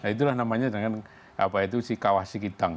itulah namanya dengan si kawah sikitang